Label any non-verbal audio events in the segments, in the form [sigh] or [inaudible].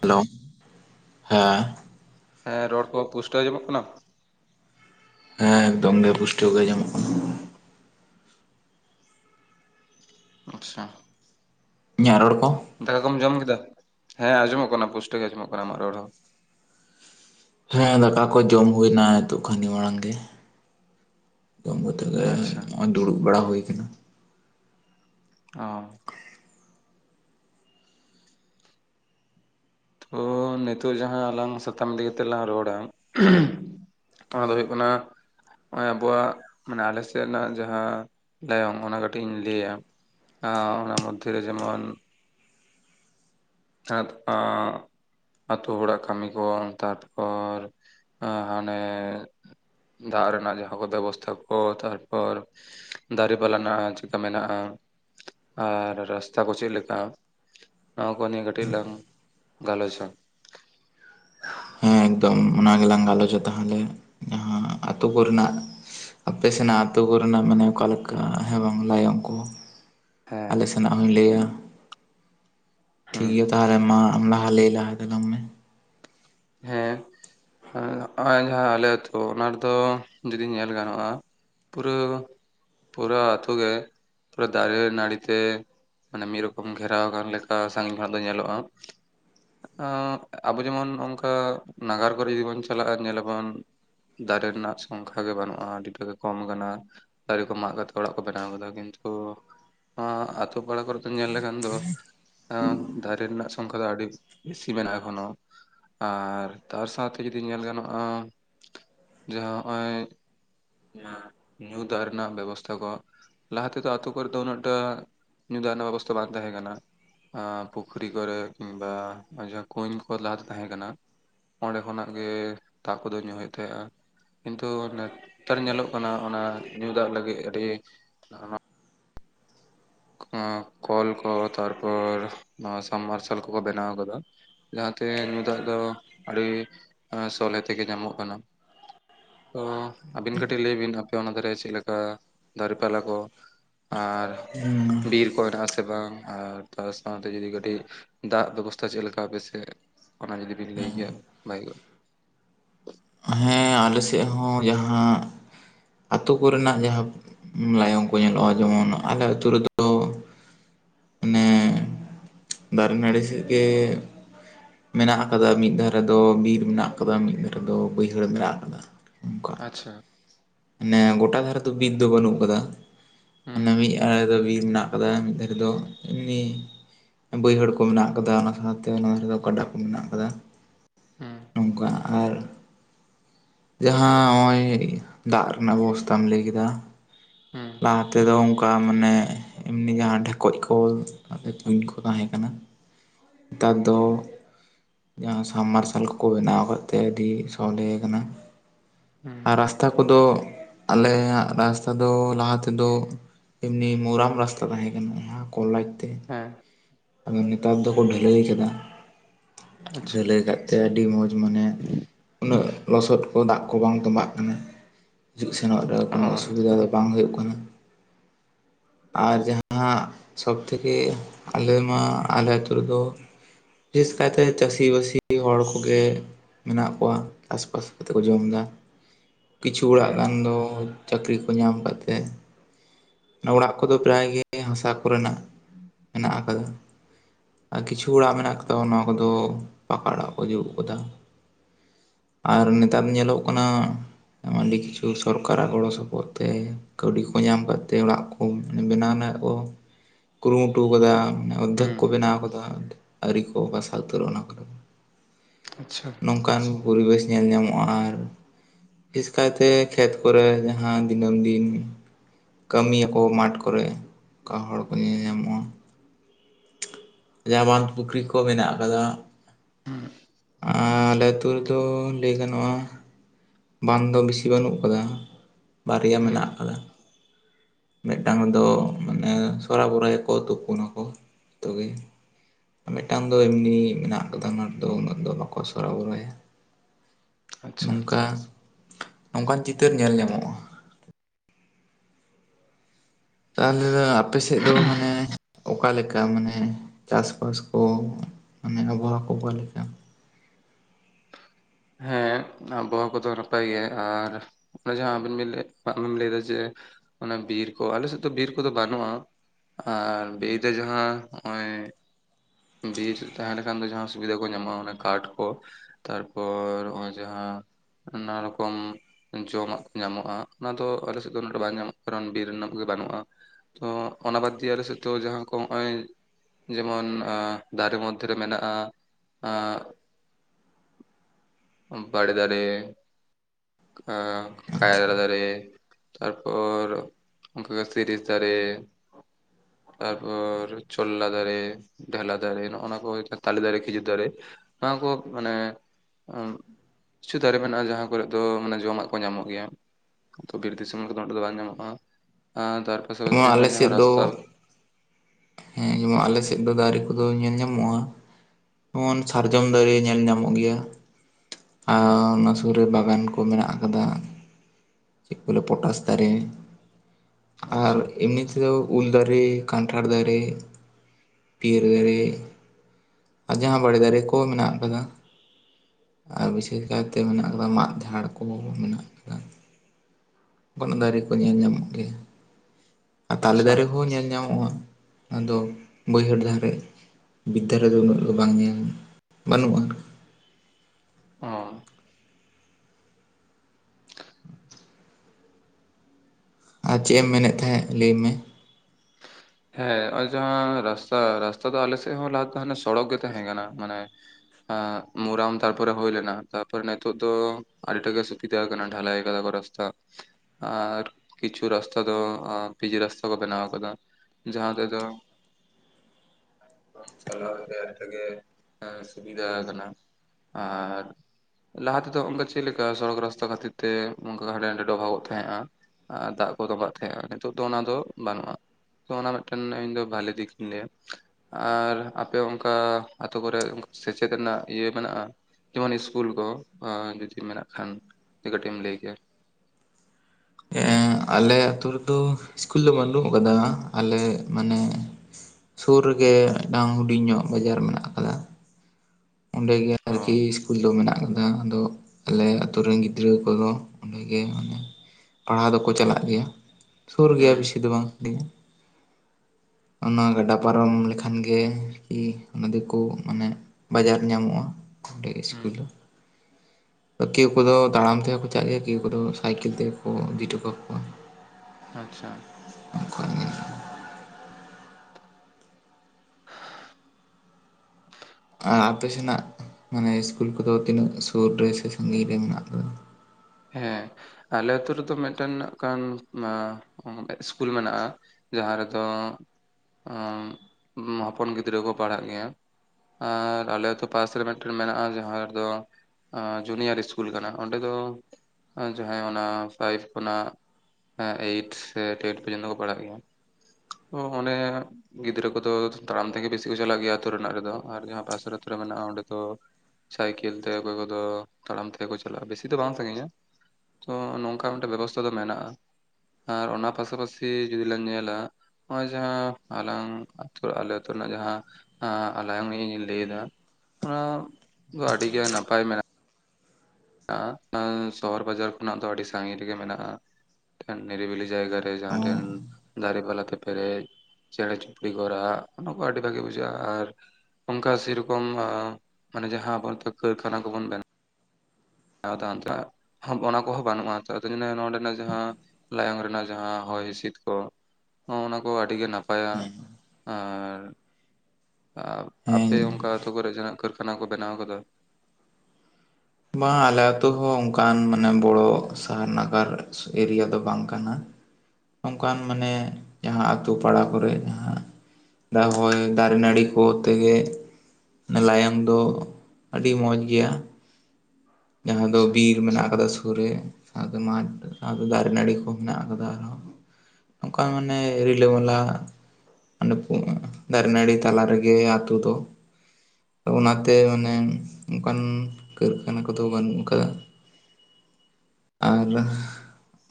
Hello ᱦᱮᱸ ᱦᱮᱸ ᱨᱚᱲ ᱠᱚ ᱯᱩᱥᱴᱟᱹᱣ ᱟᱸᱡᱚᱢᱚᱜ ᱠᱟᱱᱟ ᱦᱮᱸ ᱮᱠᱫᱚᱢ ᱰᱷᱮᱨ ᱯᱩᱥᱴᱟᱹᱣ ᱜᱮ ᱟᱸᱡᱚᱢᱚᱜ ᱠᱟᱱᱟ ᱟᱪᱪᱷᱟ ᱤᱧᱟᱜ ᱨᱚᱲ ᱠᱚ ᱫᱟᱠᱟ ᱠᱚᱢ ᱡᱚᱢ ᱠᱮᱫᱟ ᱦᱮᱸ ᱟᱸᱡᱚᱢᱚᱜ ᱠᱟᱱᱟ ᱯᱩᱥᱴᱟᱹᱣ ᱜᱮ ᱟᱸᱡᱚᱢᱚᱜ ᱠᱟᱱᱟ ᱟᱢᱟᱜ ᱨᱚᱲ ᱦᱚ ᱦᱮᱸ ᱫᱟᱠᱟ ᱠᱚ ᱡᱚᱢ ᱦᱩᱭ ᱮᱱᱟ ᱱᱤᱛᱚᱜ ᱠᱷᱟᱱᱤ ᱢᱟᱲᱟᱝ ᱜᱮ ᱡᱚᱢ ᱠᱟᱛᱮᱡ ᱟᱪᱪᱷᱟ ᱱᱚᱜ-ᱚᱭ ᱫᱩᱲᱩᱵ ᱵᱟᱲᱟ ᱦᱩᱭ ᱠᱟᱱᱟ᱾ ᱚᱸ ᱛᱚ ᱱᱤᱛᱚᱜ ᱡᱟᱦᱟᱸ ᱟᱞᱟᱝ ᱥᱟᱛᱟᱢ ᱤᱫᱤ ᱠᱟᱛᱮᱜ ᱞᱟᱝ ᱨᱚᱲᱟ᱾ ᱚᱱᱟ ᱫᱚ ᱦᱩᱭᱩᱜ ᱠᱟᱱᱟ ᱱᱚᱜ-ᱚᱭ ᱟᱵᱚᱣᱟᱜ ᱢᱟᱱᱮ ᱟᱞᱮᱥᱮᱫ ᱨᱮᱱᱟᱜ ᱡᱟᱦᱟᱸ ᱞᱟᱭᱚᱝ ᱚᱱᱟ ᱠᱟᱹᱴᱤᱡ ᱤᱧ ᱞᱟᱹᱭᱟ᱾ ᱟᱸ ᱚᱱᱟ ᱢᱚᱫᱽᱫᱷᱮ ᱨᱮ ᱡᱮᱢᱚᱱ ᱥᱟᱛ ᱴᱟᱸᱜ ᱟᱹᱛᱳ ᱦᱚᱲᱟᱜ ᱠᱟᱹᱢᱤ ᱠᱚ ᱛᱟᱨᱯᱚᱨ ᱦᱟᱸ ᱦᱟᱱᱮ ᱫᱟᱜ ᱨᱮᱱᱟᱜ ᱡᱟᱦᱟᱸ ᱠᱚ ᱵᱮᱵᱚᱥᱛᱷᱟ ᱠᱚ ᱛᱟᱨᱯᱚᱨ ᱫᱟᱨᱮ ᱵᱟᱞᱟᱱᱟ ᱪᱮᱠᱟ ᱢᱮᱱᱟᱜᱼᱟ ᱟᱨ ᱨᱟᱥᱛᱟ ᱠᱚ ᱪᱮᱫ ᱞᱮᱠᱟ? ᱱᱚᱣᱟ ᱠᱚ ᱱᱤᱭᱟᱹ ᱠᱟᱹᱴᱤᱡ ᱞᱟᱝ ᱜᱟᱞᱚᱪᱟ ᱾ ᱦᱮᱸ ᱮᱠᱫᱚᱢ ᱚᱱᱟᱜᱮ ᱞᱟᱝ ᱜᱟᱞᱚᱪᱟ ᱛᱟᱦᱚᱞᱮ ᱡᱟᱦᱟᱸ ᱟᱛᱳ ᱠᱚᱨᱮᱱᱟᱜ ᱟᱯᱮ ᱥᱮᱱᱟᱜ ᱟᱹᱛᱩ ᱠᱚᱨᱮᱱᱟᱜ ᱢᱟᱱᱮ ᱚᱠᱟ ᱞᱮᱠᱟ ᱦᱮᱸ ᱵᱟᱝ ᱞᱟᱭᱚᱝ ᱠᱚ ᱦᱮᱸ ᱟᱞᱮ ᱥᱮᱫ ᱦᱮᱱᱟᱜ ᱞᱮᱭᱟ ᱴᱷᱤᱠ ᱦᱩᱸ ᱜᱮᱭᱟ ᱛᱟᱦᱚᱞᱮ ᱢᱟ ᱟᱢ ᱞᱟᱦᱟ ᱞᱟᱹᱭ ᱞᱟᱦᱟᱭ ᱛᱟᱞᱟᱝ ᱢᱮ᱾ ᱦᱮᱸ ᱩᱸ ᱱᱚᱜᱼᱚᱭ ᱡᱟᱦᱟᱸ ᱟᱞᱮ ᱟᱹᱛᱩ ᱚᱱᱟ ᱨᱮᱫᱚ ᱡᱩᱫᱤ ᱧᱮᱞ ᱜᱟᱱᱚᱜ-ᱟ᱾ ᱯᱩᱨᱟᱹᱣ ᱯᱩᱨᱟᱹ ᱟᱹᱛᱩ ᱜᱮ ᱯᱩᱨᱟᱹ ᱫᱟᱨᱮ ᱱᱟᱹᱲᱤ ᱛᱮ ᱢᱟᱱᱮ ᱢᱤᱫ ᱨᱚᱠᱚᱢ ᱜᱷᱮᱨᱟᱣ ᱟᱠᱟᱱ ᱞᱮᱠᱟ ᱥᱟᱺᱜᱤᱧ ᱠᱷᱚᱱᱟᱜ ᱫᱚ ᱧᱮᱞᱚᱜ-ᱟ᱾ ᱟᱸ ᱟᱵᱚ ᱡᱮᱢᱚᱱ ᱚᱱᱠᱟ ᱱᱟᱜᱟᱨ ᱠᱚᱨᱮ ᱡᱩᱫᱤ ᱵᱚᱱ ᱪᱟᱞᱟᱜ-ᱟ ᱧᱮᱞᱟᱵᱚᱱ ᱫᱟᱨᱮ ᱨᱮᱱᱟᱜ ᱥᱚᱝᱠᱷᱟ ᱜᱮ ᱵᱟᱹᱱᱩᱜ-ᱟ ᱟᱹᱰᱤᱴᱟᱜ ᱜᱮ ᱠᱚᱢ ᱟᱠᱟᱱᱟ᱾ ᱫᱟᱨᱮ ᱠᱚ ᱢᱟᱜ ᱠᱟᱛᱮᱫ ᱚᱲᱟᱜ ᱠᱩ ᱵᱮᱱᱟᱣ ᱠᱟᱫᱟ ᱠᱤᱱᱛᱩ ᱟᱸᱜ ᱟᱛᱳ ᱯᱟᱲᱟ ᱠᱚᱨᱮ ᱯᱮ ᱧᱮᱞ ᱞᱮᱠᱷᱟᱱ ᱫᱚ ᱟᱺ ᱫᱟᱨᱮ ᱨᱮᱱᱟᱜ ᱥᱚᱝᱠᱷᱟ ᱫᱚ ᱟᱹᱰᱤ ᱵᱮᱥᱤ ᱢᱮᱱᱟᱜᱼᱟ ᱮᱠᱷᱚᱱᱳ᱾ ᱟᱨ ᱛᱟᱨ ᱥᱟᱶᱛᱮ ᱡᱩᱫᱤ ᱧᱮᱞ ᱜᱟᱱᱚᱜᱼᱟ ᱡᱟᱦᱟᱸ ᱦᱚᱸᱜᱼᱚᱭ ᱧᱟ ᱧᱩ ᱫᱟᱜ ᱨᱮᱱᱟᱜ ᱵᱮᱵᱚᱥᱛᱷᱟ ᱠᱚ, ᱞᱟᱦᱟ ᱛᱮᱫᱚ ᱟᱛᱳ ᱠᱚᱨᱮ ᱫᱚ ᱩᱱᱟᱹᱜᱴᱟᱜ ᱧᱩ ᱫᱟᱜ ᱨᱮᱱᱟᱜ ᱵᱮᱵᱚᱥᱛᱷᱟ ᱵᱟᱝ ᱛᱟᱦᱮᱸ ᱠᱟᱱᱟ᱾ ᱟ ᱯᱩᱠᱷᱨᱤ ᱠᱚᱨᱮ ᱠᱤᱧᱵᱟ ᱡᱟᱦᱟᱸ ᱠᱩᱧ ᱠᱚ ᱞᱟᱦᱟᱛᱮ ᱛᱟᱦᱮᱸ ᱠᱟᱱᱟ ᱚᱸᱰᱮ ᱠᱷᱚᱱᱟᱜ ᱜᱮ ᱫᱟᱜ ᱠᱚᱫᱚ ᱧᱩ ᱦᱩᱭᱩᱜ ᱛᱟᱦᱮᱸᱜ-ᱟ᱾ ᱠᱤᱱᱛᱩ ᱱᱮᱛᱟᱨ ᱧᱮᱞᱚᱜ ᱠᱟᱱᱟ ᱚᱱᱟ ᱧᱩ ᱫᱟᱜ ᱞᱟᱹᱜᱤᱫ ᱟᱹᱰᱤ ᱱᱚᱜᱼᱱᱟ ᱚᱸ ᱠᱚᱞ ᱠᱚ ᱛᱟᱨᱯᱚᱨ ᱱᱚᱣᱟ ᱥᱟᱢ ᱢᱟᱨᱥᱟᱞ ᱠᱚᱠᱚ ᱵᱮᱱᱟᱣ ᱠᱟᱫᱟ ᱾ ᱡᱟᱦᱟᱸ ᱛᱮ ᱧᱩ ᱫᱟᱜ ᱫᱚ ᱟᱹᱰᱤ ᱟᱺ ᱥᱚᱞᱦᱮ ᱛᱮᱜᱮ ᱧᱟᱢᱚᱜ ᱠᱟᱱᱟ᱾ ᱛᱚ ᱟᱹᱵᱤᱱ ᱠᱟᱹᱴᱤᱡ ᱞᱟᱹᱭ ᱵᱤᱱ ᱟᱯᱮ ᱚᱱᱟ ᱫᱷᱟᱨᱮ ᱪᱮᱫ ᱞᱮᱠᱟ ᱫᱟᱨᱮ ᱯᱟᱞᱟ ᱠᱚ ᱟᱨ ᱦᱩᱸ᱾ ᱵᱤᱨ ᱠᱚ ᱦᱮᱸᱱᱟᱜ-ᱟ ᱥᱮ ᱵᱟᱝ ᱟᱨ ᱛᱟ ᱥᱟᱶᱛᱮ ᱡᱩᱫᱤ ᱠᱟᱹᱴᱤᱡ ᱫᱟᱜ ᱵᱮᱵᱚᱥᱛᱷᱟ ᱪᱮᱫ ᱞᱮᱠᱟ ᱟᱯᱮ ᱥᱮᱜ ᱚᱱᱟ ᱡᱩᱫᱤᱵᱤᱱ ᱞᱟᱹᱭ ᱠᱮᱭᱟ ᱵᱷᱟᱜᱮ ᱠᱚᱜ᱾ ᱦᱮᱸ ᱟᱞᱮᱥᱮᱫ ᱦᱚᱸ ᱡᱟᱦᱟᱸ ᱟᱹᱛᱩ ᱠᱚᱨᱮᱱᱟᱜ ᱡᱟᱦᱟᱸ ᱞᱟᱭᱚᱝ ᱠᱚ ᱧᱮᱞᱚᱜ-ᱟ ᱡᱮᱢᱚᱱ ᱟᱞᱮ ᱟᱹᱛᱩ ᱨᱮᱫᱚ ᱢᱟᱱᱮ ᱫᱟᱨᱮ ᱱᱟᱹᱬᱤ ᱥᱮᱜ ᱜᱮ ᱢᱮᱱᱟᱜ ᱠᱟᱫᱟ, ᱢᱤᱫ ᱫᱷᱟᱨᱮ ᱫᱚ ᱵᱤᱨ ᱢᱮᱱᱟᱜ ᱠᱟᱫᱟ ᱢᱤᱫ ᱫᱷᱟᱨᱮ ᱫᱚ ᱵᱟᱹᱭᱦᱟᱹᱲ ᱢᱮᱱᱟᱜ ᱠᱟᱫᱟ᱾ ᱟᱪᱪᱷᱟ᱾ ᱢᱟᱱᱮ ᱜᱚᱴᱟ ᱫᱷᱟᱨᱮ ᱫᱚ ᱵᱤᱨ ᱫᱚ ᱵᱟᱹᱱᱩᱜ ᱠᱟᱫᱟ ᱦᱩᱸ ᱢᱚᱱᱮ ᱢᱤᱫ ᱟᱲᱮ ᱫᱚ ᱵᱤᱨ ᱢᱮᱱᱟᱜ ᱠᱟᱫᱟ ᱢᱤᱫ ᱫᱷᱟᱨᱮ ᱫᱚ ᱮᱢᱱᱤ ᱵᱟᱹᱭᱦᱟᱹᱲ ᱠᱚ ᱢᱮᱱᱟᱜ ᱠᱟᱫᱟ ᱚᱱᱟ ᱥᱟᱶᱛᱮ ᱚᱱᱟ ᱫᱷᱟᱨᱮ ᱫᱚ ᱜᱟᱰᱟ ᱠᱚ ᱢᱮᱱᱟᱜ ᱠᱟᱫᱟ᱾ ᱦᱩᱸ ᱱᱚᱝᱠᱟ ᱟᱨ ᱡᱟᱦᱟᱸ ᱦᱚᱸᱜ-ᱚᱭ ᱫᱟᱜ ᱨᱮᱱᱟᱜ ᱵᱮᱵᱚᱥᱛᱟᱢ ᱞᱟᱹᱭ ᱠᱮᱫᱟ ᱦᱩᱸ ᱞᱟᱦᱟ ᱛᱮᱫᱚ ᱚᱝ ᱠᱟ ᱢᱟᱱᱮ ᱮᱢᱱᱤ ᱡᱟᱦᱟᱸ ᱰᱷᱮᱠᱚᱡ ᱠᱚ ᱚᱱᱟᱛᱮ ᱠᱩᱧ ᱠᱚ ᱛᱟᱦᱮᱸ ᱠᱟᱱᱟ ᱾ ᱱᱮᱛᱟᱨ ᱫᱚ ᱡᱟᱦᱟᱸ ᱥᱟᱢ ᱢᱟᱨᱥᱟᱞ ᱠᱚᱠᱚ ᱵᱮᱱᱟᱣ ᱠᱟᱫ ᱛᱮ ᱟᱹᱰᱤ ᱥᱚᱞᱦᱮ ᱠᱟᱱᱟ᱾ ᱦᱩᱸ᱾ ᱛᱷᱟ ᱠᱚᱫᱚ ᱟᱞᱮᱭᱟᱜ ᱨᱟᱥᱛᱟ ᱫᱚ ᱞᱟᱦᱟ ᱛᱮᱫᱚ ᱮᱢᱱᱤ ᱢᱳᱨᱟᱢ ᱨᱟᱥᱛᱟ ᱛᱟᱦᱮᱸ ᱠᱟᱱᱟ ᱚᱱᱟ ᱡᱟᱦᱟᱸ ᱠᱚᱞᱞᱟᱪ ᱾ ᱛᱮ ᱦᱮᱸ ᱟᱫᱚ ᱱᱮᱛᱟᱨ ᱫᱚᱠᱚ ᱰᱷᱟᱹᱞᱟᱹᱭ ᱠᱟᱫᱟ ᱟᱪᱪᱷᱟ ᱰᱷᱟᱹᱞᱟᱹᱭ ᱠᱟᱜ ᱛᱮ ᱟᱹᱰᱤ ᱢᱚᱡᱽ ᱢᱟᱱᱮ ᱩᱱᱟᱹᱜ ᱞᱚᱥᱚᱫ ᱠᱚ ᱫᱟᱜ ᱠᱚ ᱵᱟᱝ ᱛᱚᱢᱵᱟᱜ ᱠᱟᱱᱟ ᱾ ᱦᱤᱡᱩᱜ ᱥᱮᱱᱚᱜ ᱨᱮ ᱠᱳᱱᱳ ᱚᱸ ᱚᱥᱩᱵᱤᱫᱷᱟ ᱫᱚ ᱵᱟᱝ ᱦᱩᱭᱩᱜ ᱠᱟᱱᱟ ᱾ ᱟᱨ ᱡᱟᱦᱟᱸ ᱥᱚᱵᱽ ᱛᱷᱮᱠᱮ ᱟᱞᱮ ᱢᱟ ᱟᱞᱮ ᱟᱹᱛᱩ ᱨᱮᱫᱚ ᱵᱮᱥ ᱠᱟᱭᱛᱮ ᱪᱟᱹᱥᱤ-ᱵᱟᱹᱥᱤ ᱦᱚᱲ ᱠᱚᱜᱮ ᱢᱮᱱᱟᱜ ᱠᱚᱣᱟ ᱪᱟᱥ-ᱵᱟᱥ ᱠᱟᱛᱮᱜ ᱠᱚ ᱡᱚᱢ ᱫᱟ ᱾ ᱠᱤᱪᱷᱩ ᱚᱲᱟᱜ ᱦᱩᱸ ᱜᱟᱱ ᱫᱚ ᱪᱟᱹᱠᱨᱤ ᱠᱚ ᱧᱟᱢ ᱠᱟᱫ ᱛᱮ, ᱚᱲᱟᱜ ᱠᱚᱫᱚ ᱯᱨᱟᱭ ᱜᱮ ᱦᱟᱥᱟ ᱠᱚᱨᱮᱱᱟᱜ ᱢᱮᱱᱟᱜ ᱟᱠᱟᱫᱟ ᱾ ᱟᱨ ᱠᱤᱪᱷᱩ ᱚᱲᱟᱜ ᱢᱮᱱᱟᱜ ᱟᱠᱟᱫᱟ ᱚᱱᱟ ᱠᱚᱫᱚ ᱯᱟᱠᱟ ᱚᱲᱟᱜ ᱠᱚ ᱡᱩᱫ ᱠᱟᱫᱟ ᱾ ᱟᱨ ᱱᱮᱛᱟᱨ ᱧᱮᱞᱚᱜ ᱠᱟᱱᱟ ᱟᱹᱰᱤ ᱠᱤᱪᱷᱩ ᱥᱚᱨᱠᱟᱨᱟᱜ ᱜᱚᱲᱚ ᱥᱚᱯᱚᱦᱚᱫ ᱛᱮ ᱠᱟᱹᱣᱰᱤ ᱠᱚ ᱧᱟᱢ ᱠᱟᱫ ᱛᱮ ᱚᱲᱟᱜ ᱠᱚ ᱵᱮᱱᱟᱣ ᱱᱟᱜ ᱠᱚ [inaudible] ᱠᱩᱨᱩᱢᱩᱴᱩ ᱠᱟᱫᱟ ᱢᱟᱱᱮ ᱚᱫᱽᱫᱷᱮᱠ ᱦᱩᱸ ᱠᱚ ᱵᱮᱱᱟᱣ ᱠᱟᱫᱟ ᱟᱣᱨᱤ ᱠᱚ ᱵᱟᱥᱟ ᱩᱛᱟᱹᱨᱚᱜᱼᱟ ᱚᱱᱟ ᱠᱚᱨᱮ ᱫᱚ ᱾ ᱟᱪᱪᱷᱟ ᱾ ᱱᱚᱝᱠᱟᱱ ᱯᱚᱨᱤᱵᱮᱥ ᱧᱮᱞ ᱧᱟᱢᱚᱜᱼᱟ ᱟᱨ ᱵᱤᱥᱮᱥ ᱠᱟᱭᱛᱮ ᱠᱷᱮᱛ ᱠᱚᱨᱮ ᱡᱟᱦᱟᱸ ᱫᱤᱱᱟᱹᱢ ᱫᱤᱱ ᱠᱟᱹᱢᱤ ᱭᱟᱠᱚ ᱢᱟᱴ ᱠᱚᱨᱮ ᱚᱝᱠᱟ ᱦᱚᱲ ᱠᱚ ᱧᱮᱞ ᱦᱩᱸ ᱧᱟᱢᱚᱜᱼᱟ ᱾ ᱡᱟᱸᱦᱟ ᱵᱟᱸᱫᱷ ᱯᱩᱠᱷᱨᱤ ᱠᱚ ᱢᱮᱱᱟᱜ ᱟᱠᱟᱫᱟ ᱦᱩᱸ ᱟᱻ ᱟᱞᱮ ᱟᱹᱛᱩ ᱨᱮ ᱫᱚ ᱞᱟᱹᱭ ᱜᱟᱱᱚᱜᱼᱟ ᱵᱟᱱ ᱫᱚ ᱵᱤᱥᱤ ᱵᱟᱹᱱᱩᱜ ᱟᱠᱟᱫᱟ ᱵᱟᱨᱭᱟ ᱢᱮᱱᱟᱜ ᱦᱩᱸ ᱟᱠᱟᱫᱟ ᱾ ᱢᱤᱫᱴᱟᱝ ᱫᱚ ᱢᱟᱱᱮ ᱥᱚᱨᱟᱼᱵᱚᱨᱟ ᱛᱟᱠᱚ ᱛᱩᱯᱩᱱᱟᱠᱚ ᱡᱚᱛᱚ ᱜᱮ ᱾ ᱟᱨ ᱢᱤᱫᱴᱟᱝ ᱫᱚ ᱮᱢᱱᱤ ᱢᱮᱱᱟᱜ ᱠᱟᱫᱟ ᱚᱱᱟ ᱨᱮ ᱫᱚ ᱩᱱᱟᱹᱜ ᱫᱚ ᱵᱟᱠᱚ ᱥᱚᱨᱟᱼᱵᱚᱨᱟᱭᱟ ᱾ [inaudible] ᱚᱝᱠᱟ ᱚᱝᱠᱟᱱ ᱪᱤᱛᱟᱹᱨ ᱧᱮᱞ ᱧᱟᱢᱚᱜᱼᱟ ᱾ ᱛᱟᱦᱞᱮ ᱫᱟᱫᱟ ᱟᱯᱮᱥᱮᱫ ᱫᱚ ᱢᱟᱱᱮ ᱚᱠᱟ ᱞᱮᱠᱟ ᱢᱟᱱᱮ ᱪᱟᱥᱼᱵᱟᱥ ᱠᱚ ᱢᱟᱱᱮ ᱟᱵᱚᱦᱟᱣᱟ ᱠᱚ ᱚᱠᱟ ᱞᱮᱠᱟ? ᱦᱮᱸ ᱟᱵᱚᱦᱟᱣᱟ ᱠᱚᱫᱚ ᱱᱟᱯᱟᱭ ᱜᱮᱭᱟ ᱟᱨ ᱚᱱᱟ ᱡᱟᱦᱟᱸ ᱟᱵᱮᱱ ᱵᱤᱱ ᱞᱟᱹᱭᱮᱫ ᱟᱢᱮᱢ ᱞᱟᱹᱭᱫᱟ ᱡᱮ ᱚᱱᱟ ᱵᱤᱨ ᱠᱚ ᱟᱞᱮ ᱥᱮᱫ ᱫᱚ ᱵᱤᱨ ᱠᱚᱫᱚ ᱵᱟᱹᱱᱩᱜᱼᱟ ᱾ ᱟᱨ ᱵᱤᱨ ᱨᱮ ᱡᱟᱸᱦᱟ ᱦᱚᱸᱜᱼᱚᱭ ᱵᱤᱨ ᱛᱟᱸᱦᱮ ᱞᱮᱠᱷᱟᱱ ᱫᱚ ᱡᱟᱦᱟᱸ ᱥᱩᱵᱤᱫᱷᱟ ᱠᱚ ᱧᱟᱢᱚᱜ-ᱟ ᱚᱱᱟ ᱠᱟᱴᱷ ᱠᱚ ᱾ ᱛᱟᱨᱯᱚᱨ ᱦᱚᱸᱜ-ᱚᱭ ᱡᱟᱸᱦᱟ ᱱᱟᱱᱟ ᱨᱚᱠᱚᱢ ᱡᱚᱢᱟᱜ ᱠᱚ ᱧᱟᱢᱚᱜᱼᱟ ᱚᱱᱟ ᱫᱚ ᱟᱞᱮ ᱥᱮᱫ ᱫᱚ ᱩᱱᱟᱹᱜ ᱴᱟ ᱵᱟᱝ ᱧᱟᱢᱚᱜ ᱠᱟᱱᱟ ᱵᱤᱨ ᱨᱮᱱᱟᱜ ᱜᱮ ᱵᱟᱹᱱᱩᱜᱼᱟ ᱾ ᱛᱚ ᱚᱱᱟ ᱵᱟᱫᱽ ᱫᱤᱭᱮ ᱟᱞᱮ ᱥᱮᱫ ᱛᱚ ᱡᱟᱦᱟᱸ ᱠᱚ ᱱᱚᱜᱼᱚᱭ ᱡᱮᱢᱚᱱ ᱟᱻ ᱫᱟᱨᱮ ᱢᱚᱫᱫᱷᱮᱨ ᱨᱮ ᱢᱮᱱᱟᱜᱼᱟ ᱟᱻ ᱵᱟᱲᱮ ᱫᱟᱨᱮ ᱾ ᱮᱻ ᱟᱪᱪᱷᱟ ᱠᱟᱭᱨᱟ ᱫᱟᱨᱮ ᱾ ᱛᱟᱨᱯᱚᱨ ᱚᱱᱠᱟ ᱜᱮ ᱥᱤᱨᱤᱥ ᱫᱟᱨᱮ ᱾ ᱛᱟᱨᱯᱚᱨ ᱪᱚᱞᱞᱟ ᱫᱟᱨᱮ ᱾ ᱰᱷᱮᱞᱟ ᱫᱟᱨᱮ ᱱᱚᱜᱼᱚ ᱱᱟ ᱠᱚ ᱛᱟᱞᱮ ᱫᱟᱨᱮ, ᱠᱷᱤᱡᱩᱨ ᱫᱟᱨᱮ ᱱᱚᱣᱟ ᱠᱚ ᱢᱟᱱᱮ ᱠᱤᱪᱷᱩ ᱫᱟᱨᱮ ᱢᱮᱱᱟᱜᱼᱟ ᱡᱟᱦᱟᱸ ᱠᱚᱨᱮᱜ ᱫᱚ ᱢᱟᱱᱮ ᱡᱚᱢᱟᱜ ᱠᱚ ᱧᱟᱢᱚᱜ ᱜᱮᱭᱟ ᱾ ᱛᱚ ᱵᱤᱨ ᱫᱤᱥᱚᱢ ᱫᱚ ᱱᱚᱸᱰᱮ ᱫᱚ ᱵᱟᱝ ᱧᱟᱢᱚᱜ ᱠᱟᱱᱟ ᱟᱻ ᱛᱟᱨ ᱯᱟᱥᱟ ᱯᱟᱥᱤ ᱡᱮᱢᱚᱱ ᱟᱞᱮ ᱱᱚᱜᱼᱚᱭ ᱡᱟᱦᱟᱸ ᱥᱮᱫ ᱨᱟᱥᱛᱟ ᱫᱚ ᱦᱮᱸ ᱡᱮᱢᱚᱱ ᱟᱞᱮ ᱥᱮᱫ ᱫᱚ ᱫᱟᱨᱮ ᱠᱚᱫᱚ ᱧᱮᱞ ᱧᱟᱢᱚᱜᱼᱟ ᱾ ᱡᱮᱢᱚᱱ ᱥᱟᱨᱡᱚᱢ ᱫᱟᱨᱮ ᱧᱮᱞ ᱧᱟᱢᱚᱜ ᱜᱮᱭᱟ ᱟᱨ ᱦᱩᱸ ᱚᱱᱟ ᱥᱩᱨ ᱨᱮ ᱵᱟᱜᱟᱱ ᱠᱚ ᱠᱚ ᱢᱮᱱᱟᱜ ᱟᱠᱟᱫᱟ ᱪᱮᱫ ᱠᱚ ᱞᱟᱹᱭᱼᱟ ᱯᱚᱴᱟᱥ ᱫᱟᱨᱮ ᱾ ᱟᱨ ᱟᱪᱪᱷᱟ ᱮᱢᱱᱤ ᱛᱮᱫᱚ ᱩᱞ ᱫᱟᱨᱮ ᱠᱟᱱ ᱴᱷᱟᱲ ᱫᱟᱨᱮ, ᱯᱤᱭᱟᱹᱨᱤ ᱫᱟᱨᱮ ᱾ ᱟᱨ ᱡᱟᱸᱦᱟ ᱵᱟᱲᱮ ᱫᱟᱨᱮ ᱠᱚ ᱢᱮᱱᱟᱜ ᱟᱠᱟᱫᱟ ᱾ ᱟᱨ ᱵᱤᱥᱮᱥ ᱠᱟᱭᱛᱮ ᱢᱮᱱᱟᱜ ᱟᱠᱟᱫᱟ ᱢᱟᱫ ᱡᱷᱟᱲ ᱠᱚ ᱢᱮᱱᱟᱜ-ᱟ ᱾ ᱚᱱᱟ ᱫᱟᱨᱮ ᱠᱚ ᱧᱮᱞ ᱧᱟᱢᱚᱜ ᱜᱮᱭᱟ ᱟᱨ ᱛᱟᱞᱮ ᱟᱪᱪᱷᱟ ᱫᱟᱨᱮ ᱦᱚᱸ ᱧᱮᱞ ᱧᱟᱢᱚᱜᱼᱟ ᱟᱫᱚ ᱵᱟᱹᱭᱦᱟᱹᱲ ᱫᱷᱟᱨᱮ ᱵᱷᱤᱛᱟᱹᱨ ᱨᱮᱫᱚ ᱩᱱᱟᱹᱜ ᱫᱚ ᱵᱟᱝ ᱧᱮᱞ ᱵᱟᱹᱱᱩᱜᱼᱟ ᱚᱻ ᱟᱨ ᱪᱮᱜᱼᱮᱢ ᱢᱮᱱᱮᱫ ᱛᱟᱦᱮᱸᱫ ᱞᱟᱹᱭ ᱢᱮ [inaudible] ᱦᱮᱸ ᱱᱚᱼᱚᱭ ᱡᱟᱸᱦᱟ ᱨᱟᱥᱛᱟ ᱨᱟᱥᱛᱟ ᱫᱚ ᱟᱞᱮ ᱥᱮᱫ ᱦᱚᱸ ᱞᱟᱦᱟ ᱦᱟᱱᱮ ᱥᱚᱲᱚᱠ ᱜᱮ ᱛᱟᱸᱦᱮ ᱠᱟᱱᱟ ᱢᱟᱱᱮ ᱟ ᱢᱳᱨᱟᱢ ᱛᱟᱨᱯᱚᱨᱮ ᱦᱩᱭ ᱞᱮᱱᱟ ᱛᱟᱯᱚᱨᱮ ᱱᱤᱛᱚᱜ ᱫᱚ ᱟᱹᱰᱤ ᱴᱟᱜ ᱜᱮ ᱥᱩᱵᱤᱫᱷᱟ ᱟᱠᱟᱱᱟ ᱰᱷᱟᱞᱟᱭ ᱠᱟᱫᱟ ᱠᱚ ᱨᱟᱥᱛᱟ ᱫᱟ ᱟᱨ ᱠᱤᱪᱷᱩ ᱨᱟᱥᱛᱟ ᱫᱚ ᱯᱤᱡᱽ ᱨᱟᱥᱛᱟ ᱠᱚ ᱵᱮᱱᱟᱣ ᱟᱠᱟᱫᱟ ᱡᱟᱸᱦᱟ ᱛᱮᱫᱚ ᱪᱟᱞᱟᱣ ᱨᱮᱭᱟᱜ ᱛᱮᱜᱮ ᱟᱡ ᱛᱮᱜᱮᱭ ᱥᱩᱵᱤᱫᱷᱟ ᱟᱠᱟᱱᱟ ᱟᱨᱼᱼ ᱞᱟᱦᱟ ᱛᱮᱫᱚ ᱚᱱᱠᱟ ᱪᱮᱫ ᱞᱮᱠᱟ ᱥᱚᱲᱚᱠ ᱨᱟᱥᱛᱟ ᱠᱷᱟᱹᱛᱤᱨ ᱛᱮ ᱚᱱᱠᱟ ᱦᱟᱸᱰᱮ ᱱᱟᱰᱮ ᱰᱚᱵᱷᱚᱜᱚᱜ ᱛᱟᱦᱮᱸᱜᱼᱟ ᱾ ᱟᱨ ᱫᱟᱜ ᱠᱚ ᱛᱚᱵᱟᱜ ᱛᱟᱦᱮᱸᱜᱼᱟ, ᱱᱤᱛᱚᱜ ᱫᱚ ᱚᱱᱟ ᱫᱚ ᱵᱟᱹᱱᱩᱜᱼᱟ ᱾ ᱛᱚ ᱚᱱᱟ ᱢᱤᱫᱴᱮᱱ ᱤᱧ ᱫᱚ ᱵᱷᱟᱞᱤ ᱫᱤᱠ ᱤᱧ ᱞᱟᱹᱭᱟ ᱾ ᱟᱨ ᱟᱯᱮ ᱚᱱᱠᱟ ᱟᱹᱛᱩ ᱠᱚᱨᱮ ᱥᱮᱪᱮᱫ ᱨᱮᱱᱟᱸᱜ ᱤᱭᱟᱹ ᱢᱮᱱᱟᱜᱼᱟ? ᱡᱮᱢᱚᱱ ᱤᱥᱠᱩᱞ ᱠᱚ ᱟ ᱡᱩᱫᱤ ᱢᱮᱱᱟᱜ ᱠᱷᱟᱱ ᱡᱩᱫᱤ ᱠᱟᱹᱴᱤᱡ ᱮᱢ ᱞᱟᱹᱭ ᱠᱮᱭᱟ ᱾ ᱮᱸ ᱟᱞᱮ ᱟᱹᱛᱩ ᱨᱮᱫᱚ ᱤᱥᱠᱩᱞ ᱫᱚ ᱵᱟᱹᱱᱩᱜ ᱟᱠᱟᱫᱟ ᱾ ᱟᱞᱮ ᱢᱟᱱᱮᱼᱼ ᱥᱩᱨ ᱨᱮᱜᱮ ᱢᱤᱫᱴᱟᱝ ᱦᱩᱰᱤᱧ ᱧᱚᱜ ᱵᱟᱡᱟᱨ ᱢᱮᱱᱟᱜ ᱟᱠᱟᱫᱟ ᱾ ᱚᱸᱰᱮ ᱜᱮᱭᱟ ᱚ ᱚᱨᱠᱤ ᱤᱥᱠᱼᱼ ᱤᱥᱠᱩᱞ ᱫᱚ ᱢᱮᱱᱟᱜ ᱟᱠᱟᱫᱟ, ᱟᱫᱚ ᱟᱞᱮ ᱟᱛ ᱨᱮᱱ ᱜᱤᱫᱽᱨᱟᱹ ᱠᱚᱫᱚ ᱚᱸᱰᱮ ᱜᱮ ᱚᱱᱮᱼᱼ ᱯᱟᱲᱦᱟᱣ ᱫᱚᱠᱚ ᱪᱟᱞᱟᱜ ᱜᱮᱭᱟ, ᱥᱩᱨ ᱜᱮᱭᱟ ᱦᱩᱸ ᱵᱮᱥᱤ ᱫᱚ ᱵᱟᱝ ᱥᱟᱜᱮᱧᱟ ᱾ ᱚᱱᱟ ᱜᱟᱰᱟ ᱯᱟᱨᱚᱢ ᱞᱮᱠᱷᱟᱱ ᱜᱮ ᱤᱦ ᱚᱱᱟ ᱫᱚᱠᱚ ᱢᱟᱱᱮᱼᱼ ᱵᱟᱡᱟᱨ ᱧᱟᱢᱚᱜᱼᱟ ᱚᱸᱰᱮ ᱦᱩᱸ ᱤᱥᱠᱩᱞ ᱨᱮ? ᱠᱮᱣ ᱠᱚᱫᱚ ᱛᱟᱲᱟᱢ ᱛᱮᱦᱚᱸ ᱠᱚ ᱪᱟᱞ ᱜᱮᱭᱟ, ᱠᱮᱣ ᱠᱚᱫᱚ ᱥᱟᱭᱠᱮᱞ ᱛᱮᱜᱮ ᱠᱚ ᱤᱫᱤ ᱦᱚᱴᱚ ᱠᱟᱠᱩᱣᱟ ᱾ ᱟᱪᱪᱷᱟ ᱾ ᱟᱨ ᱟᱯᱮ ᱥᱮᱱᱟᱜ ᱢᱟᱱᱮ ᱤᱥᱠᱩᱞ ᱠᱚᱫᱚ ᱛᱤᱱᱟᱹᱜ ᱥᱩᱨ ᱨᱮ ᱥᱮ ᱥᱟᱺᱜᱤᱧ ᱨᱮ ᱢᱮᱱᱟᱜ ᱟᱠᱟᱫᱟ? ᱦᱮᱸ ᱟᱞᱮ ᱟᱹᱛᱩ ᱨᱮᱫᱚ ᱢᱤᱫᱴᱮᱱ ᱚᱱᱠᱟᱱ ᱠᱟᱱ ᱤᱥᱠᱩᱞ ᱢᱮᱱᱟᱜᱼᱟ, ᱡᱟᱦᱟᱸ ᱨᱮᱫᱚ ᱩᱸ ᱦᱚᱯᱚᱱ ᱜᱤᱫᱽᱨᱟᱹ ᱠᱚ ᱯᱟᱲᱦᱟᱜ ᱜᱮᱭᱟ ᱾ ᱟᱨ ᱟᱞᱮ ᱟᱹᱛᱩ ᱯᱟᱥ ᱨᱮ ᱢᱤᱫᱴᱮᱱ ᱢᱮᱱᱟᱜᱼᱟ, ᱡᱟᱦᱟᱸ ᱨᱮᱫᱚᱼᱼ ᱟ ᱡᱩᱱᱤᱭᱟᱨ ᱤᱥᱠᱩᱞ ᱠᱟᱱᱟ ᱚᱸᱰᱮ ᱫᱚᱼᱼ ᱡᱟᱦᱟᱸᱭ ᱚᱱᱟ ᱥᱟᱭᱤᱯᱷ ᱠᱷᱚᱱᱟᱜᱼᱼ ᱦᱮᱸ ᱮᱭᱤᱴᱷ ᱥᱮ ᱴᱮᱱ ᱯᱚᱨᱡᱚᱱᱛᱚ ᱠᱚ ᱯᱟᱲᱦᱟᱜ ᱜᱮᱭᱟ ᱾ ᱛᱚ ᱚᱵᱮᱼᱼ ᱜᱤᱫᱽᱨᱟᱹ ᱠᱚᱫᱚ ᱛᱟᱲᱟᱢ ᱛᱮᱜᱮ ᱵᱮᱥᱤ ᱠᱚ ᱪᱟᱞᱟᱜ ᱜᱮᱭᱟ ᱟᱹᱛᱩ ᱨᱮᱱᱟᱜ ᱨᱮᱫᱚ, ᱟᱨ ᱡᱟᱦᱟᱸ ᱯᱟᱥᱮᱨ ᱟᱛᱩ ᱨᱮ ᱢᱮᱱᱟᱜᱼᱟ ᱚᱸᱰᱮ ᱫᱚᱼᱼ ᱥᱟᱭᱠᱮᱞ ᱛᱮ ᱚᱠᱚᱭ ᱠᱚᱫᱚ ᱛᱟᱲᱟᱢ ᱛᱮᱦᱚ ᱠᱚ ᱪᱟᱞᱟᱜᱼᱟ ᱵᱮᱥᱤ ᱫᱚ ᱵᱟᱝ ᱥᱟᱺᱜᱤᱧᱟ ᱾ ᱦᱚᱸ ᱱᱚᱝᱠᱟ ᱢᱤᱫᱴᱟᱝ ᱵᱮᱵᱚᱥᱛᱟ ᱫᱚ ᱢᱮᱱᱟᱜᱼᱟ ᱾ ᱟᱨ ᱚᱱᱟ ᱯᱟᱥᱟᱯᱟᱥᱤ ᱡᱩᱫᱤ ᱞᱟᱝ ᱧᱮᱞᱟ ᱾ ᱱᱚᱜᱼᱚᱭ ᱡᱟᱦᱟᱸ ᱟᱞᱟᱝ ᱟᱹᱛᱩ ᱟᱞᱮ ᱟᱹᱛᱩ ᱨᱮᱱᱟᱜ ᱡᱟᱦᱟᱸᱼᱼ ᱟᱞᱟᱭᱚᱝ ᱡᱤᱞᱤᱧ ᱞᱟᱹᱭ ᱮᱫᱟ ᱚᱱᱟ ᱫᱚ ᱟᱹᱰᱤ ᱜᱮ ᱱᱟᱯᱟᱭ ᱢᱮᱱᱟᱜᱼᱟ ᱾ ᱦᱮᱱᱟᱜᱼᱟ ᱥᱚᱦᱚᱨ ᱵᱟᱡᱟᱨ ᱠᱷᱚᱱᱟᱜ ᱫᱚ ᱟᱹᱰᱤ ᱥᱟᱺᱜᱤᱧ ᱨᱮᱜᱮ ᱢᱮᱱᱟᱜᱼᱟ ᱾ ᱮᱠᱷᱮᱱ ᱱᱤᱨᱤᱵᱤᱞᱤ ᱡᱟᱭᱜᱟ ᱨᱮ ᱡᱟᱦᱟᱸ ᱴᱷᱮᱱ ᱫᱟᱨᱮ ᱯᱟᱞᱦᱟ ᱛᱮ ᱯᱮᱨᱮᱡᱼᱼ ᱪᱮᱬᱮ ᱪᱩᱯᱲᱤ ᱠᱚ ᱨᱟᱜ ᱚᱱᱟ ᱠᱚ ᱟᱹᱰᱤ ᱵᱷᱟᱹᱜᱤ ᱵᱩᱡᱷᱟᱹᱜᱼᱟ ᱟᱨ ᱾ ᱚᱱᱠᱟ ᱥᱮᱨᱚᱠᱚᱢ ᱢᱟᱱᱮ ᱡᱟᱦᱟᱸ ᱟᱵᱚ ᱱᱤᱛᱚᱜ ᱠᱟᱹᱨᱠᱷᱟᱱᱟ ᱠᱚᱵᱚᱱ ᱵᱮᱼᱼ [unintelligible] ᱦᱚᱵ ᱚᱱᱟ ᱠᱚᱦᱚᱸ ᱵᱟᱹᱱᱩᱜᱼᱟ ᱱᱤᱛᱚᱜ ᱫᱚ ᱡᱩᱫᱤ ᱱᱚᱸᱰᱮᱱᱟᱜ ᱡᱟᱦᱟᱸ ᱞᱟᱭᱚᱝ ᱨᱮᱱᱟᱜ ᱡᱟᱦᱟᱸ ᱦᱚᱭ ᱦᱤᱸᱥᱤᱫ ᱠᱚᱼᱼ ᱦᱚᱸ ᱚᱱᱟᱠᱚ ᱟᱹᱰᱤᱜᱮ ᱱᱟᱯᱟᱭᱟ ᱾ ᱟᱨᱼᱼ ᱦᱮᱸ ᱟᱯᱮ ᱚᱱᱠᱟ ᱟᱹᱛᱩ ᱠᱚᱨᱮ ᱡᱟᱦᱱᱟᱜ ᱠᱟᱹᱨᱠᱷᱟᱱᱟ ᱠᱚ ᱵᱮᱱᱟᱣ ᱟᱠᱟᱫᱟ? ᱵᱟᱝ ᱟᱞᱮ ᱟᱹᱛᱩ ᱦᱚᱸ ᱚᱱᱠᱟᱱ ᱢᱟᱱᱮ ᱵᱚᱲᱚ ᱥᱟᱦᱟᱨ ᱱᱟᱜᱟᱨᱼᱼ ᱮᱨᱤᱭᱟ ᱫᱚ ᱵᱟᱝ ᱠᱟᱱᱟ ᱾ ᱚᱝᱠᱟᱱ ᱢᱟᱱᱮ ᱡᱟᱦᱟᱸ ᱟᱹᱛᱩ ᱯᱟᱲᱟ ᱠᱚᱨᱮ ᱡᱟᱦᱟᱸᱼᱼ ᱫᱟ ᱦᱚᱭ ᱫᱟᱨᱮ ᱱᱟᱹᱲᱤ ᱠᱚ ᱛᱮᱜᱮᱼᱼ ᱞᱟᱭᱚᱝ ᱫᱚ ᱟᱹᱰᱤ ᱢᱚᱡᱽ ᱜᱮᱭᱟ ᱾ ᱡᱟᱦᱟᱸ ᱫᱚ ᱟᱪᱪᱷᱟ ᱵᱤᱨ ᱢᱮᱱᱟᱜ ᱟᱠᱟᱫᱟ ᱥᱩᱨ ᱨᱮ ᱾ ᱟᱫᱚ ᱢᱟᱴᱷ ᱥᱟᱶᱛᱮ ᱫᱟᱨᱮ ᱱᱟᱹᱲᱤ ᱠᱚ ᱢᱮᱱᱟᱜ ᱟᱠᱟᱫᱟ ᱟᱨᱦᱚᱸ ᱾ ᱚᱝᱠᱟ ᱢᱟᱱᱮ ᱨᱤᱞᱟᱹ ᱢᱟᱞᱟᱼᱼ ᱚᱸᱰᱮ ᱯᱩᱜ ᱫᱟᱲᱮ ᱱᱟᱹᱲᱤ ᱛᱟᱞᱟ ᱨᱮᱜᱮ ᱟᱹᱛᱩ ᱫᱚ ᱾ ᱚᱱᱟᱛᱮ ᱢᱟᱱᱮ ᱩᱱᱠᱟᱱ ᱠᱟᱹᱨᱠᱷᱟᱱᱟ ᱠᱚᱫᱚ ᱵᱟᱹᱱᱩᱜ ᱟᱠᱟᱫᱟ᱾ ᱟᱨ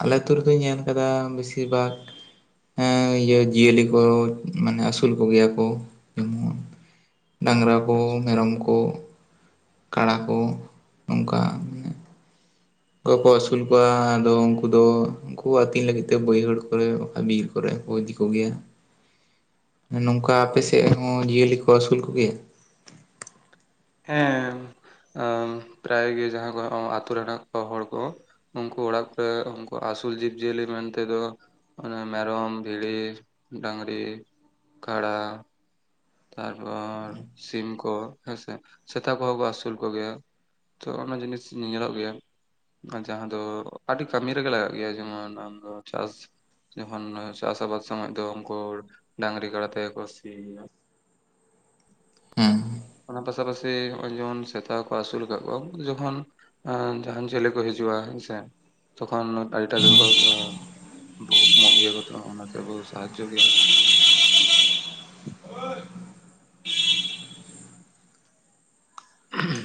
ᱟᱞᱮ ᱟᱹᱛᱩ ᱨᱮᱫᱚᱧ ᱧᱮᱞ ᱟᱠᱟᱫᱟ ᱵᱮᱥᱤᱨ ᱵᱷᱟᱜᱽᱼᱼ ᱦᱮᱸ ᱤᱭᱟᱹ ᱡᱤᱭᱟᱹᱞᱤ ᱠᱚ ᱢᱟᱱᱮ ᱟᱹᱥᱩᱞ ᱠᱚᱜᱮᱭᱟ ᱠᱚ ᱩᱸᱼᱼ ᱰᱟᱝᱨᱟ ᱠᱚ ᱟᱪᱪᱷᱟ ᱢᱮᱨᱚᱢ ᱠᱚ ᱠᱟᱲᱟ ᱠᱚ ᱱᱚᱝᱠᱟ᱾ ᱠᱚᱠᱚ ᱟᱹᱥᱩᱞ ᱠᱚᱣᱟ ᱟᱫᱚ ᱩᱱᱠᱩ ᱫᱚᱼᱼ ᱩᱱᱠᱩ ᱟᱹᱛᱤᱧ ᱞᱟᱹᱜᱤᱫ ᱛᱮ ᱵᱟᱹᱭᱦᱟᱹᱲ ᱠᱚᱨᱮ ᱵᱤᱨ ᱠᱚᱨᱮ ᱠᱚ ᱤᱫᱤ ᱠᱚᱜᱮᱭᱟ ᱱᱚᱝᱠᱟᱼᱼ ᱟᱯᱮ ᱟᱪᱪᱷᱟ ᱥᱮᱫ ᱦᱚᱸ ᱡᱤᱭᱟᱹᱞᱤ ᱠᱚ ᱟᱹᱥᱩᱞ ᱠᱚᱜᱮᱭᱟ? ᱦᱮᱸ ᱟᱸ ᱯᱨᱟᱭ ᱜᱮ ᱡᱟᱦᱟᱸ ᱠᱚᱦᱚ ᱟᱛᱳ ᱨᱮᱱᱟᱜ ᱠᱚ ᱦᱚᱲ ᱠᱚ᱾ ᱩᱱᱠᱩ ᱚᱲᱟᱜ ᱠᱚᱨᱮ ᱩᱱᱠᱩ ᱟᱹᱥᱩᱞ ᱡᱤᱵᱽᱡᱤᱭᱟᱹᱞᱤ ᱢᱮᱱᱛᱮ ᱫᱚ᱾ ᱚᱱᱮ ᱢᱮᱨᱚᱢ ᱵᱷᱤᱲᱤ ᱰᱟᱝᱨᱤ ᱠᱟᱲᱟ᱾ ᱛᱟᱨᱯᱚᱨ ᱥᱤᱢ ᱠᱚ ᱦᱮᱸᱥᱮ ᱥᱮᱛᱟ ᱠᱚᱦᱚᱸ ᱠᱚ ᱟᱹᱥᱩᱞ ᱠᱚᱜᱮᱭᱟ᱾ ᱛᱚ ᱚᱱᱟ ᱡᱤᱱᱤᱥ ᱧᱮᱞᱚᱜ ᱜᱮᱭᱟ᱾ ᱟᱨ ᱡᱟᱦᱟᱸ ᱫᱚ ᱟᱹᱰᱤ ᱠᱟᱹᱢᱤ ᱨᱮᱜᱮ ᱞᱟᱜᱟᱜ ᱜᱮᱭᱟ ᱡᱮᱢᱚᱱ ᱟᱢ ᱫᱚ ᱪᱟᱥᱼᱼ ᱡᱚᱠᱷᱚᱱ ᱪᱟᱥ ᱟᱵᱟᱫ ᱥᱚᱢᱚᱭ ᱫᱚ ᱩᱱᱠᱩ ᱰᱟᱝᱨᱤ ᱠᱟᱰᱟ ᱛᱮᱜᱠᱚ ᱥᱤᱭᱟ ᱦᱮᱸᱻ ᱚᱱᱟ ᱯᱟᱥᱟ ᱯᱟᱥᱤ ᱱᱚᱜᱼᱚᱭ ᱡᱮᱢᱚᱱ ᱥᱮᱛᱟ ᱠᱚ ᱟᱹᱥᱩᱞ ᱟᱠᱟᱫ ᱠᱚᱣᱟ ᱡᱚᱠᱷᱚᱱᱼᱼ ᱟᱸ ᱡᱟᱦᱟᱱ ᱪᱮᱞᱮ ᱠᱚ ᱦᱤᱡᱩᱜᱼᱟᱸ ᱥᱮ ᱛᱚᱠᱷᱚᱱ ᱟᱹᱰᱤ ᱴᱟ ᱜᱮᱠᱚ ᱵᱷᱚᱜ ᱢᱳᱜ ᱜᱮᱭᱟ ᱠᱚ ᱚᱱᱟᱛᱮ ᱵᱚ ᱥᱟᱦᱟᱡᱡᱚ ᱜᱮᱭᱟ᱾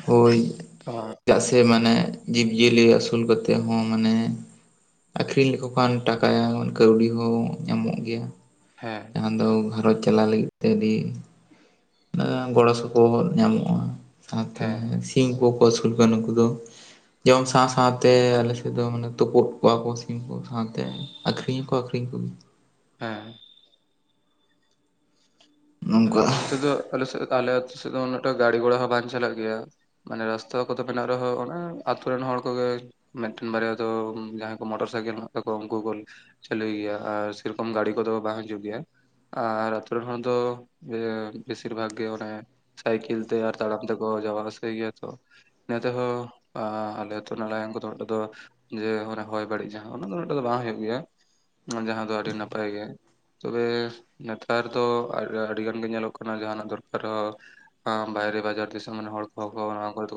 ᱦᱳᱭ ᱚ ᱪᱮᱫᱟᱜ ᱥᱮ ᱢᱟᱱᱮ ᱡᱤᱵᱽᱼᱡᱤᱭᱟᱹᱞᱤ ᱟᱹᱥᱩᱞ ᱠᱟᱛᱮᱫ ᱦᱚᱸ ᱢᱟᱱᱮᱼᱼ ᱟᱠᱷᱨᱤᱧ ᱞᱮᱠᱚ ᱠᱷᱟᱱ ᱴᱟᱠᱟᱭᱟᱵᱚᱱ ᱠᱟᱹᱣᱰᱤ ᱦᱚᱸ ᱧᱟᱢᱚᱜ ᱜᱮᱭᱟ᱾ ᱦᱮᱸᱻ ᱟᱫᱚ ᱜᱷᱟᱨᱚᱸᱡᱽ ᱪᱟᱞᱟᱣ ᱞᱟᱹᱜᱤᱫ ᱛᱮ ᱟᱹᱰᱤᱼᱼ ᱟᱫᱚ ᱜᱚᱲᱚ ᱥᱚᱯᱚᱦᱚᱫ ᱧᱟᱢᱚᱜᱼᱟ ᱥᱟᱶᱛᱮ ᱦᱮᱸ ᱥᱤᱢ ᱠᱚ ᱠᱚ ᱟᱹᱥᱩᱞ ᱠᱚᱣᱟ ᱱᱩᱠᱩ ᱫᱚ᱾ ᱡᱚᱢ ᱥᱟᱶ ᱥᱟᱶ ᱛᱮ ᱟᱞᱮᱮᱥᱮᱫ ᱫᱚ ᱢᱟᱱᱮ ᱛᱳᱯᱳᱜ ᱠᱚᱣᱟ ᱠᱚ ᱥᱤᱢ ᱠᱚ ᱥᱟᱶ ᱛᱮ ᱟᱠᱠᱷᱨᱤᱧ ᱠᱚ ᱟᱠᱠᱷᱨᱤᱧ ᱠᱚᱜᱮᱼᱼ ᱦᱮᱸ ᱟᱨ ᱱᱚᱝᱠᱟ ᱱᱚᱱᱛᱮ ᱫᱚ ᱟᱞᱮᱥᱮᱜ ᱟᱞᱮ ᱟᱹᱛᱩ ᱥᱮᱫ ᱫᱚ ᱩᱱᱟᱹᱜ ᱴᱟ ᱜᱟᱰᱤ ᱜᱷᱚᱲᱟ ᱦᱚᱸ ᱵᱟᱝ ᱪᱟᱞᱟᱜ ᱜᱮᱭᱟ᱾ ᱢᱟᱱᱮ ᱨᱟᱥᱛᱟ ᱠᱚᱫᱚ ᱢᱮᱱᱟᱜ ᱨᱮᱦᱚᱸ ᱚᱱᱮ ᱟᱛᱩᱨ ᱨᱮᱱ ᱦᱚᱲ ᱠᱚᱜᱮᱼᱼ ᱢᱮᱜᱴᱮᱱ ᱵᱟᱨᱭᱟ ᱫᱚ ᱡᱟᱦᱟᱸᱭ ᱠᱚ ᱢᱚᱴᱚᱨ ᱥᱟᱭᱠᱮᱞ ᱦᱮᱱᱟᱜ ᱛᱟᱠᱚᱣᱟ ᱩᱱᱠᱩ ᱠᱚᱼᱼ ᱪᱟᱹᱞᱩᱭ ᱜᱮᱭᱟ ᱟᱨ ᱥᱮᱨᱚᱠᱚᱢ ᱜᱟᱹᱰᱤ ᱠᱚᱫᱚ ᱵᱟᱝ ᱦᱤᱡᱩᱜ ᱜᱮᱭᱟ ᱟᱨ ᱟᱹᱛᱩ ᱨᱮᱱ ᱦᱚᱲ ᱫᱚᱼᱼ ᱡᱮ ᱵᱮᱥᱤᱨ ᱵᱷᱟᱜᱽ ᱜᱮ ᱚᱱᱮ ᱥᱟᱭᱠᱮᱞ ᱛᱮ ᱟᱨ ᱛᱟᱲᱟᱢ ᱛᱮᱠᱚ ᱡᱟᱣᱟ ᱟᱥᱟᱭ ᱜᱮᱭᱟ ᱛᱚᱼᱼ ᱱᱮᱛᱦᱚᱸ ᱟ ᱟᱞᱮ ᱟᱛᱳ ᱨᱮᱱᱟᱜ ᱞᱟᱭᱚᱝ ᱠᱚᱫᱚ ᱚᱸᱰᱮ ᱫᱚᱼᱼ ᱡᱮ ᱚᱱᱟ ᱦᱚᱭ ᱵᱟᱹᱲᱤᱡ ᱡᱟᱦᱟᱸ ᱩᱱᱟᱹᱜ ᱫᱚ ᱩᱱᱟᱹᱜ ᱴᱟ ᱫᱚ ᱵᱟᱝ ᱦᱩᱭᱩᱜ ᱜᱮᱭᱟ᱾ ᱡᱟᱦᱟᱸ ᱫᱚ ᱟᱹᱰᱤ ᱱᱟᱯᱟᱭ ᱜᱮ ᱛᱚᱵᱮ ᱱᱮᱛᱟᱨ ᱫᱚ ᱟᱨ ᱟᱼᱼ ᱟᱹᱰᱤ ᱜᱟᱱ ᱜᱮ ᱧᱮᱞᱚᱜ ᱠᱟᱱᱟ ᱡᱟᱦᱱᱟᱜ ᱫᱚᱨᱠᱟᱨ ᱨᱮᱦᱚᱸᱼᱼ ᱟ ᱵᱟᱭᱨᱮ ᱵᱟᱡᱟᱨ ᱫᱤᱥᱚᱢ ᱨᱮᱱ ᱦᱚᱲ ᱠᱚᱦᱚ ᱠᱚ ᱱᱚᱣᱟ ᱠᱚ ᱡᱚᱛᱚ ᱠᱚ ᱪᱤᱼᱼ